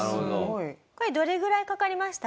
これどれぐらいかかりました？